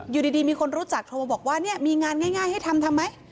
อยู่ดีมีคนรู้จักโทรมาบอกว่าเนี่ยมีงานง่ายให้ทำทำไหม